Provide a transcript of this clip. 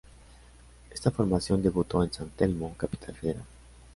Esta formación debuta en San Telmo, Capital Federal.